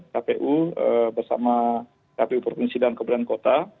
kpu bersama kpu provinsi dan kebudayaan kota